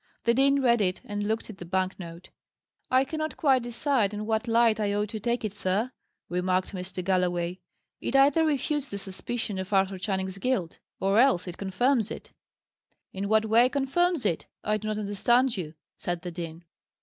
The dean read it, and looked at the bank note. "I cannot quite decide in what light I ought to take it, sir," remarked Mr. Galloway. "It either refutes the suspicion of Arthur Channing's guilt, or else it confirms it." "In what way confirms it? I do not understand you," said the dean.